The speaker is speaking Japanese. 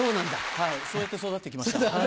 はいそうやって育って来ました。